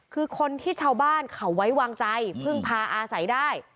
คือคนที่ชาวบ้านเขาไว้วางใจพึ่งพาอาศัยได้